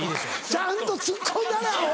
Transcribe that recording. ちゃんとツッコんだれアホ。